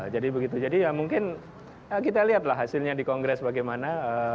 jadi begitu jadi ya mungkin kita lihatlah hasilnya di kongres bagaimana